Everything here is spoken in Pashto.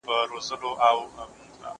زه پرون تمرين وکړل،